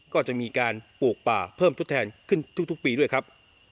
ก็จะมีการปลูกป่าเพิ่มทดแทนขึ้นทุกปีด้วยครับ